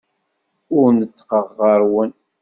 Ur neṭṭqeɣ ɣer-wen.